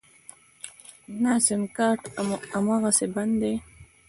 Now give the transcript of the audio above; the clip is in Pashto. نه سيمکارټ امغسې بند دی.